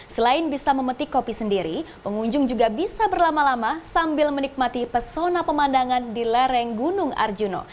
selain bisa memetik kopi sendiri pengunjung juga bisa berlama lama sambil menikmati pesona pemandangan di lereng gunung arjuna